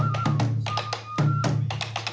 สวัสดีครับ